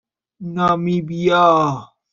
نامیبیا